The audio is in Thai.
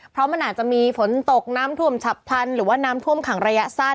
เพราะมันอาจจะมีฝนตกน้ำท่วมฉับพลันหรือว่าน้ำท่วมขังระยะสั้น